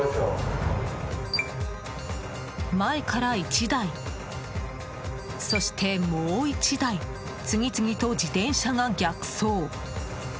前から１台、そしてもう１台次々と自転車が逆走。